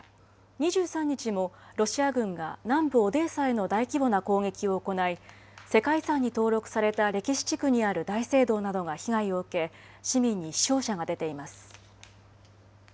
２３日も、ロシア軍が南部オデーサへの大規模な攻撃を行い、世界遺産に登録された歴史地区にある大聖堂などが被害を受け、市民に死傷者が出ています。